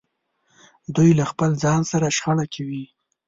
دوی له خپل ځان سره شخړه کې وي.